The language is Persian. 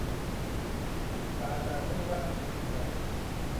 بعدازظهر رفت شنا